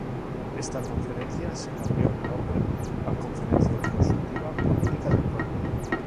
Esta conferencia se cambió el nombre a Conferencia Consultiva Política del Pueblo.